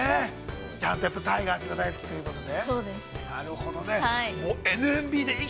◆じゃあ、タイガースが大好きということで？